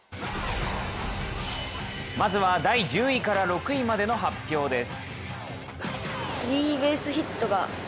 まずは第１０位から６位までの発表です。